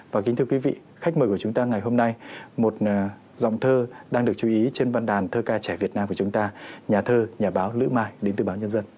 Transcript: và kính thưa quý vị khách mời của chúng ta ngày hôm nay một dòng thơ đang được chú ý trên văn đàn thơ ca trẻ việt nam của chúng ta nhà thơ nhà báo lữ mai đến từ báo nhân dân